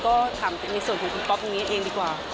ก็ถามส่วนของคุณพบกันเองดีกว่า